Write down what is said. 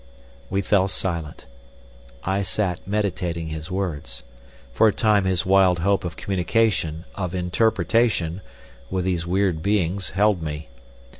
He fell silent. I sat meditating his words. For a time his wild hope of communication, of interpretation, with these weird beings held me.